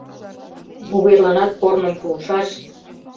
Вуверланат корным пуышаш!